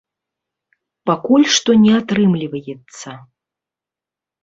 Пакуль што не атрымліваецца.